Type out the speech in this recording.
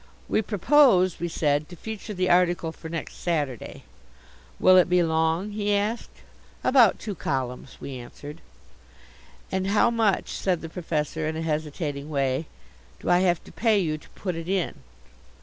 "We propose," we said, "to feature the article for next Saturday." "Will it be long?" he asked. "About two columns," we answered. "And how much," said the Professor in a hesitating way, "do I have to pay you to put it in?"